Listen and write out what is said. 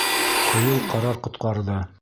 Ҡыйыу ҡарар ҡотҡарҙы